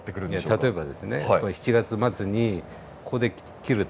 例えばですね７月末にここで切ると。